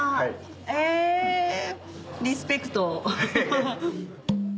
えリスペクト。